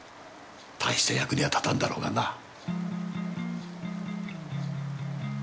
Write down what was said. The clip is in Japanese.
大して役には立たんだろうがな。